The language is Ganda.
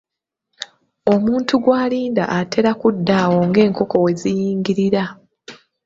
Omuntu gw'alinda atera kudda awo ng'enkoko we ziyingirira.